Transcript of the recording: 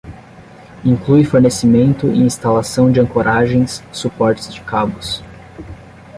Inclui fornecimento e instalação de ancoragens, suportes de cabos.